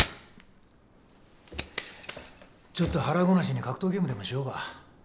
ちょっと腹ごなしに格闘ゲームでもしようか。